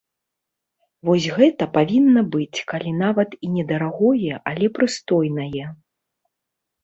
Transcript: Вось гэта павінна быць калі нават і не дарагое, але прыстойнае.